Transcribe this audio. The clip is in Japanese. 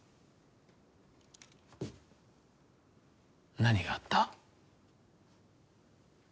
何があった？